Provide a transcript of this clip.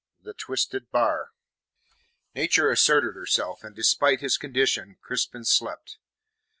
THE TWISTED BAR Nature asserted herself, and, despite his condition, Crispin slept.